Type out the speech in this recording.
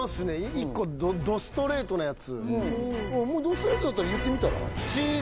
１個どストレートなやつもうどストレートだったら言ってみたら？